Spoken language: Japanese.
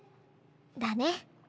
だね。